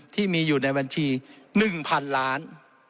ที่มีอยู่ในบัญชี๑๐๐๐ล้าน